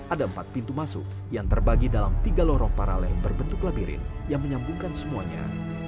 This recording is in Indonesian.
ada empat pintu masuk yang terbagi dalam tiga lorong paralel berbentuk labirin yang menyambungkan semuanya